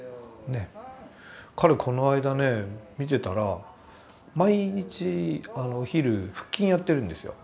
彼この間ね見てたら毎日お昼腹筋やってるんですよ。